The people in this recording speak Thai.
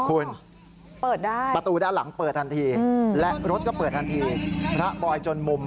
คุณเปิดได้ประตูด้านหลังเปิดทันทีและรถก็เปิดทันทีพระบอยจนมุม